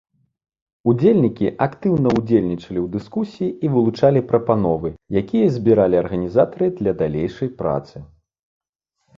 Удзельнікі актыўна ўдзельнічалі ў дыскусіі і вылучалі прапановы, якія збіралі арганізатары для далейшай працы.